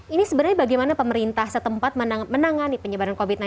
ini sebenarnya bagaimana pemerintah setempat menangani penyebaran covid sembilan belas